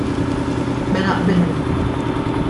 Mela qbilna!